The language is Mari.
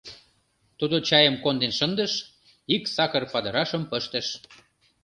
Тудо чайым конден шындыш, ик сакыр падырашым пыштыш.